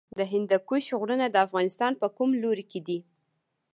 د هندوکش غرونه د افغانستان په کوم لوري کې دي؟